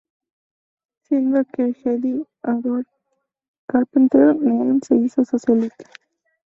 Siguiendo a Keir Hardie y Edward Carpenter, Neal se hizo socialista.